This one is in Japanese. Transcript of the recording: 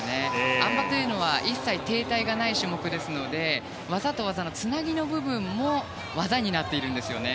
あん馬というのは一切、停滞がない種目ですので技と技のつなぎの部分も技になっているんですよね。